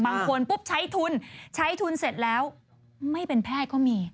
บางคนปุ๊บใช้ทุนใช้ทุนเสร็จแล้วไม่เป็นแพทย์ก็มี